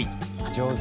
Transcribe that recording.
上手！